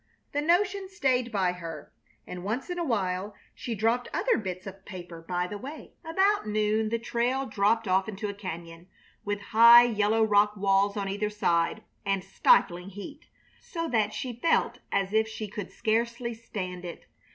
The notion stayed by her, and once in a while she dropped other bits of paper by the way. About noon the trail dropped off into a cañon, with high, yellow rock walls on either side, and stifling heat, so that she felt as if she could scarcely stand it.